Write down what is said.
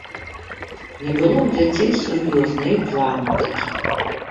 Не было ў дзяцей сур'ёзна і планаў такіх.